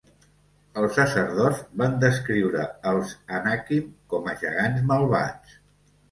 Els sacerdots van descriure els Anakim com a gegants malvats.